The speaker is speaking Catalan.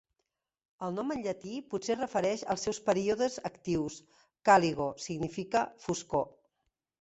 El nom en llatí potser es refereix als seus períodes actius; "caligo" significa foscor.